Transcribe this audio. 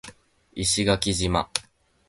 石垣島